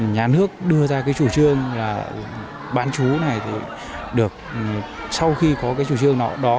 nhà nước đưa ra cái chủ trương là bán chú này thì được sau khi có cái chủ trương nào đó